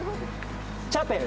チャペル？